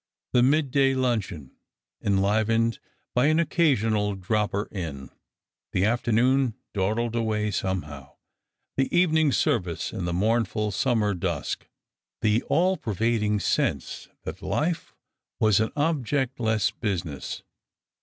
The mid day luncheon, enhvened by an occasional dropper in ; the afternoon dawdled away some how ; the evening service, in the mournful summer dusk ; the all pervading sense that life was an objectless business.